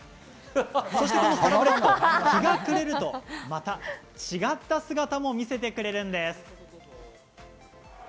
そして日が暮れると、また違った姿も見せてくれるんです。